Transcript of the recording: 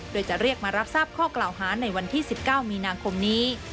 โดยจะเรียกมารับทราบข้อกล่าวหาในวันที่๑๙มีนาคมนี้